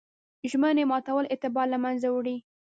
ژمنې ماتول اعتبار له منځه وړي.